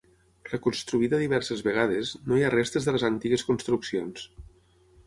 Reconstruïda diverses vegades, no hi ha restes de les antigues construccions.